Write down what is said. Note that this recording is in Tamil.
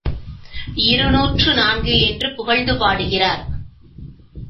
இருநூற்று நான்கு என்று புகழ்ந்து பாடுகிறார்.